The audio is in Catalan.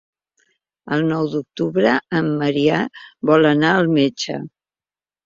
El nou d'octubre en Maria vol anar al metge.